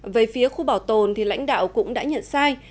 về phía khu bảo tồn thì lãnh đạo cũng đã nhận sai